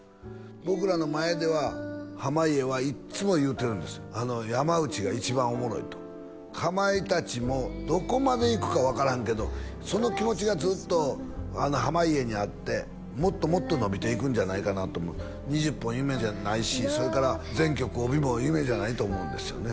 僕らの前では濱家はいっつも言うてるんですかまいたちもどこまでいくか分からんけどその気持ちがずっと濱家にあってもっともっと伸びていくんじゃないかなと２０本夢じゃないしそれから全局帯も夢じゃないと思うんですよね